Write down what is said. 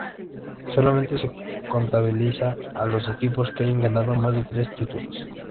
Solamente se contabiliza a los equipos que hayan ganado más de tres títulos.